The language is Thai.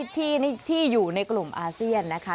ที่อยู่ในกลุ่มอาเซียนนะคะ